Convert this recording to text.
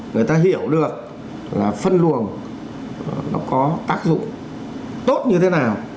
người ta hiểu được là phân luồng nó có tác dụng tốt như thế nào